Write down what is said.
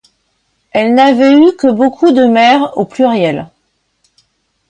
Elle n'avait eu que beaucoup de mères au pluriel.